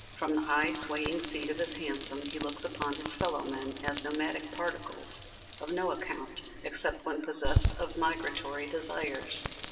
From the high, swaying seat of his hansom he looks upon his fellow men as nomadic particles, of no account except when possessed of migratory desires.